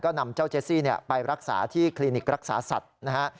นำเจ้าเจสซี่ไปรักษาที่คลินิกรักษาสัตว์นะฮะ